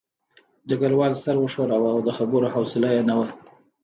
ډګروال سر وښوراوه او د خبرو حوصله یې نه وه